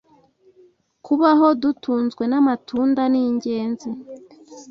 kubaho dutunzwe n’amatunda ningenzi